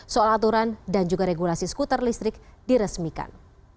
soal aturan dan juga regulasi skuter listrik diresmikan